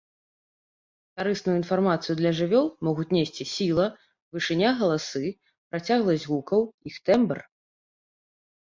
Карысную інфармацыю для жывёл могуць несці сіла, вышыня галасы, працягласць гукаў, іх тэмбр.